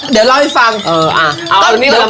เดี๋ยวเล่าไว้ฟังเออเอาอันนี้ดันเลย